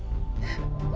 bencana bagi dia